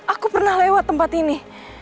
aku pernah lewat tempat ini